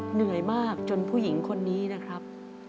เหนื่อยมากจนผู้หญิงคนนี้นะครับ